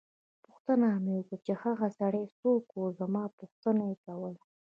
پوښتنه مې وکړه چې هغه سړی څوک وو چې زما پوښتنه یې کوله.